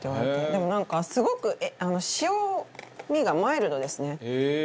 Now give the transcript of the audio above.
でもなんかすごく塩みがマイルドですね。